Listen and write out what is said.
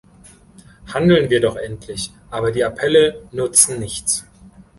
Handeln wir doch endlich, aber die Appelle nutzen nichts!